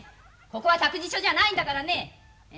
ここは託児所じゃないんだからね！